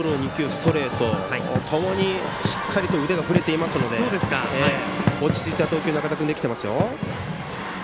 ストレート、ともにしっかりと腕が振れてますので落ち着いた投球中田君できてますよ。